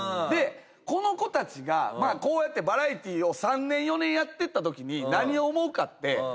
でこの子たちがこうやってバラエティーを３年４年やってったときに何を思うかって。